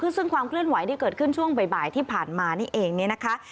ซึ่งความเคลื่อนไหวที่เกิดขึ้นช่วงบ่ายที่ผ่านมานี่เองเนี่ยนะคะ